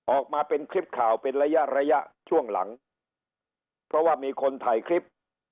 ออกมาเป็นคลิปข่าวเป็นระยะระยะช่วงหลังเพราะว่ามีคนถ่ายคลิป